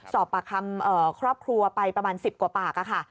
สอบปากคำครอบครัวไปประมาณ๑๐กว่าปากค่ะ